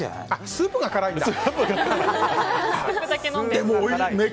スープが辛いんだ。